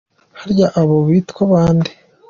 Harya abo bo bitwa ba nde?